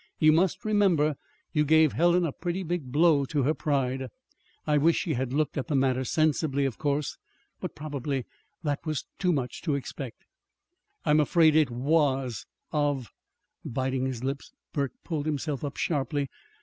You must remember you gave Helen a pretty big blow to her pride. I wish she had looked at the matter sensibly, of course; but probably that was too much to expect." "I'm afraid it was of " Biting his lips, Burke pulled himself up sharply.